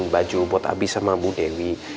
baju buat abi sama bu dewi